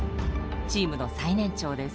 チームの最年長です。